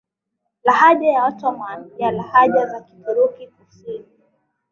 Lahaja ya Ottoman ya lahaja za Kituruki Kusini